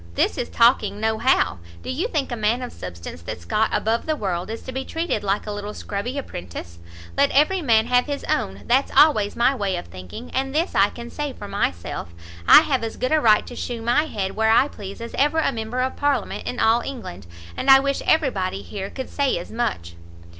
this is talking no how. Do you think a man of substance, that's got above the world, is to be treated like a little scrubby apprentice? Let every man have his own, that's always my way of thinking; and this I can say for myself, I have as good a right to shew my head where I please as ever a member of parliament in all England; and I wish every body here could say as much."